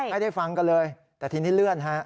ให้ได้ฟังกันเลยแต่ทีนี้เลื่อนฮะ